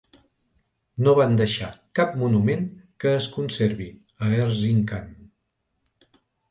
No van deixar cap monument que es conservi a Erzincan.